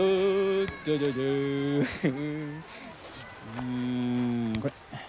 うんこれ。